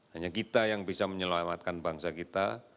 hanya kita yang bisa menyelamatkan bangsa kita